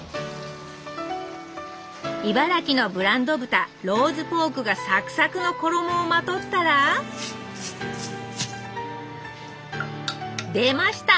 茨城のブランド豚ローズポークがさくさくの衣をまとったら出ました！